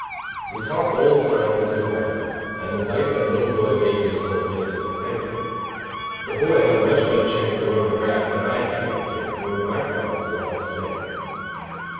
We talked old times and graft, and the wife and little boy of eight years old listened attentively. The boy had a much better chance to learn the graft than I had when a kid, for my father was an honest man.